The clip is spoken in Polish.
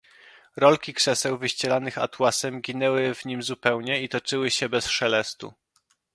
"Rolki krzeseł wyścielanych atłasem ginęły w nim zupełnie i toczyły się bez szelestu."